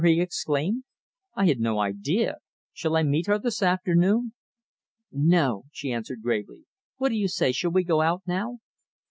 he exclaimed. "I had no idea shall I meet her this afternoon?" "No!" she answered, gravely. "What do you say shall we go out now?"